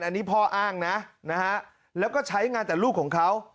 อันนี้พ่ออ้างนะนะฮะแล้วก็ใช้งานแต่ลูกของเขา